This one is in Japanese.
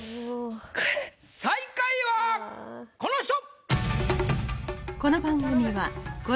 最下位はこの人！